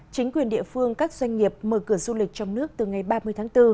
chính quyền địa phương các doanh nghiệp mở cửa du lịch trong nước từ ngày ba mươi tháng bốn